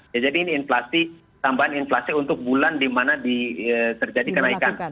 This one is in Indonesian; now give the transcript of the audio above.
ya jadi ini inflasi tambahan inflasi untuk bulan di mana di terjadi kenaikan awal kenaikannya gitu